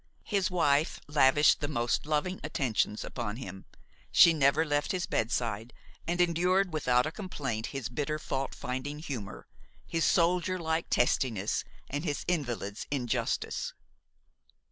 His wife lavished the most loving attentions upon him; she never left his bedside and endured without a complaint his bitter fault finding humor, his soldier like testiness and his invalid's injustice.